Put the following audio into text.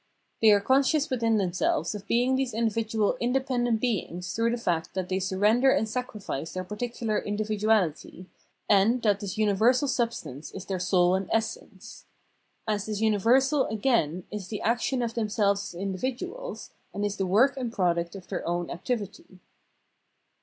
They are conscious within themselves of being these individual independent beings through the fact that they surrender and sacrifice their particular individuality, and that this universal sub stance is their soul and essence :— as this universal again is the action of themselves as individuals, and is the work and product of their own activity.